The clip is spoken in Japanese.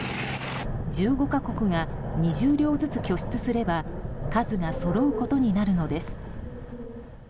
１５か国が２０両ずつ拠出すれば数がそろうことになるのです。